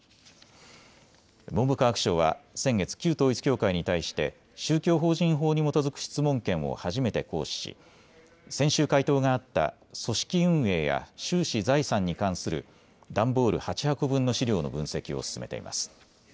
文部科学省は先月、旧統一教会に対して宗教法人法に基づく質問権を初めて行使し先週、回答があった組織運営や収支、財産に関する段ボール８箱分の資料の分析を進めています。